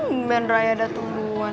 tuh men ray ada tuduhan